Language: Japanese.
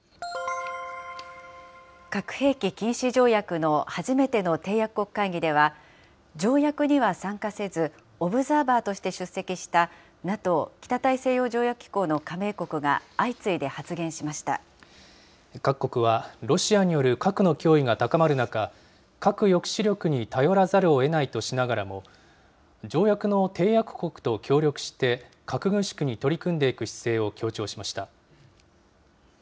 核兵器禁止条約の初めての締約国会議では、条約には参加せず、オブザーバーとして出席した、ＮＡＴＯ・北大西洋条約機構の加盟各国はロシアによる核の脅威が高まる中、核抑止力に頼らざるをえないとしながらも、条約の締約国と協力して、核軍縮に取り組んでいく姿勢を強調しました。